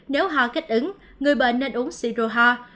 nếu ho kích ứng người bệnh nên uống siro ho